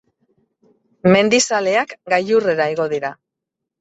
Mendizaleak gailurrera igo dira.